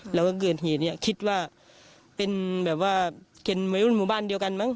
เราก็เกิดเหตุอย่างนี้คิดว่าเป็นแบบว่าเก็นวัยรุ่นหมู่บ้านเดียวกันมั้ง